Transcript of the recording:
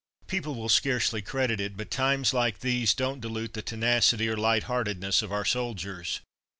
People will scarcely credit it, but times like these don't dilute the tenacity or light heartedness of our soldiers.